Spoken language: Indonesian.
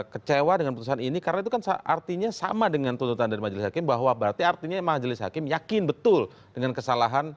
kecewa dengan putusan ini karena itu kan artinya sama dengan tuntutan dari majelis hakim bahwa berarti artinya majelis hakim yakin betul dengan kesalahan